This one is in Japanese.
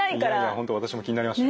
本当私も気になりました。